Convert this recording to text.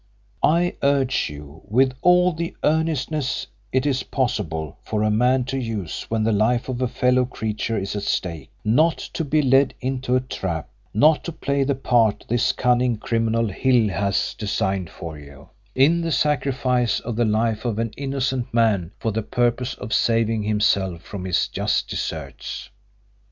And I urge you, with all the earnestness it is possible for a man to use when the life of a fellow creature is at stake, not to be led into a trap not to play the part this cunning criminal Hill has designed for you in the sacrifice of the life of an innocent man for the purpose of saving himself from his just deserts.